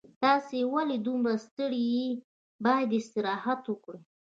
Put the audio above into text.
تاسو ولې دومره ستړي یې باید استراحت وکړئ